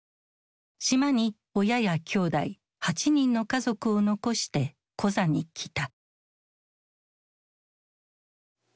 島に親やきょうだい８人の家族を残してコザに来た。